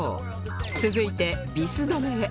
続いてビス留めへ